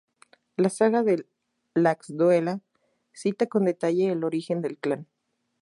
La "saga de Laxdœla" cita con detalle el origen del clan.